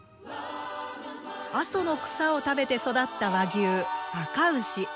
阿蘇の草を食べて育った和牛あか牛。